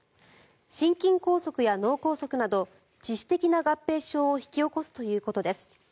心筋梗塞や脳梗塞など致死的な合併症を引き起こすということです。